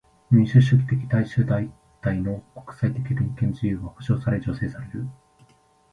民主主義的大衆団体の国際的連携の自由は保障され助成される。